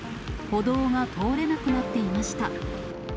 歩道が通れなくなっていました。